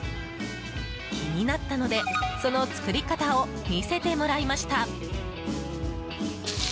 気になったのでその作り方を見せてもらいました。